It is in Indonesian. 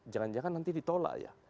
jangan jangan nanti ditolak ya